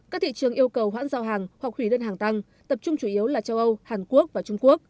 các thị trường yêu cầu hoãn giao hàng hoặc hủy đơn hàng tăng tập trung chủ yếu là châu âu hàn quốc và trung quốc